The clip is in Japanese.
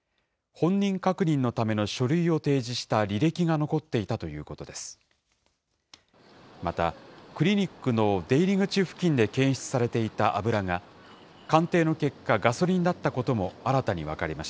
本人確認のための書類を提示した履歴が残っていたということです。